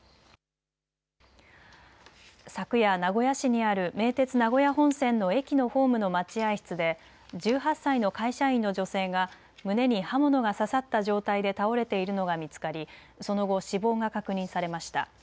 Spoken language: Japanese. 昨夜、名古屋市にある名鉄名古屋本線の駅のホームの待合室で１８歳の会社員の女性が胸に刃物が刺さった状態で倒れているのが見つかりその後死亡が確認されました。